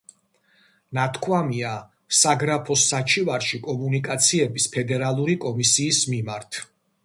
ნათქვამია საგრაფოს საჩივარში კომუნიკაციების ფედერალური კომისიის მიმართ.